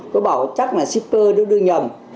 cô bảo chắc là shipper đưa đưa nhầm